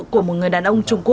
của một người đàn ông